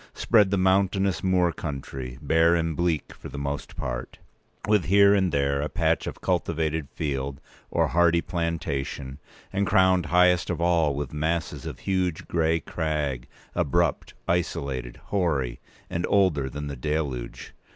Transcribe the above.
188spread the mountainous moor country, bare and bleak for the most part, with here and there a patch of cultivated field or hardy plantation, and crowned highest of all with masses of huge grey crag, abrupt, isolated, hoary, and older than the deluge.